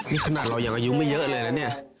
นี่ขนาดเรายังอายุไม่เยอะเลยนะเนี่ย